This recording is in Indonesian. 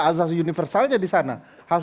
azas universalnya di sana